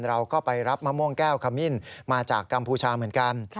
เราก็ไปรับมะม่วงแก้วขมิ้นมาจากกัมพูชาเหมือนกัน